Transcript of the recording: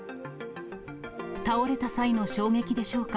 倒れた際の衝撃でしょうか。